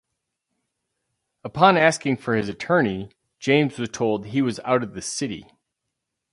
Upon asking for his attorney, James was told he was out of the city.